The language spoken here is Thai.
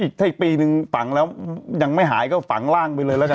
ถ้าอีกปีนึงฝังแล้วยังไม่หายก็ฝังร่างไปเลยแล้วกัน